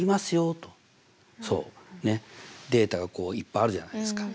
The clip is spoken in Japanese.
データがこういっぱいあるじゃないですか。